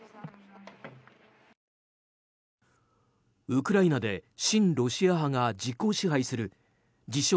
ウクライナで親ロシア派が実効支配する自称